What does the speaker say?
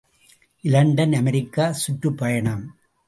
● London, America சுற்றுப்பயணம்.